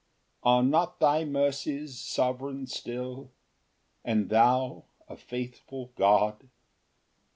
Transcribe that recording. Ver. 156 140. 4 Are not thy mercies sovereign still? And thou a faithful God?